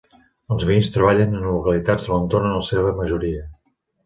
Els veïns treballen en localitats de l'entorn en la seva majoria.